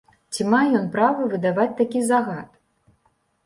Ці мае ён права выдаваць такі загад?